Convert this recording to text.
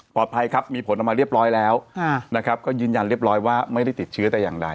ปลอดภัยครับมีผลออกมาเรียบร้อยแล้วยืนยันเรียบร้อยว่าไม่ได้ติดชีวิตอีกอย่างไร